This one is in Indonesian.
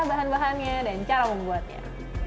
bahan bahannya dan cara membuatnya